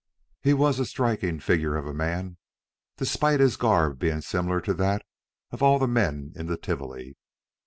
He was a striking figure of a man, despite his garb being similar to that of all the men in the Tivoli.